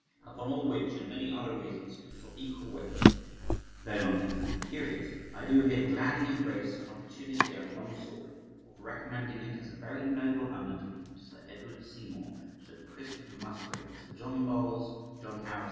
Upon all which, and many other reasons of equal weight, though not equally curious, I do here gladly embrace an opportunity I have long sought for, of recommending it as a very noble undertaking to Sir Edward Seymour, Sir Christopher Musgrave, Sir John Bowles, John Howe, Esq.